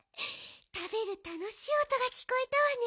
たべるたのしいおとがきこえたわね。